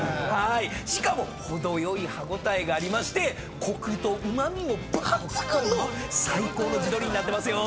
しかも程よい歯応えがありましてコクとうま味も抜群の最高の地鶏になってますよ。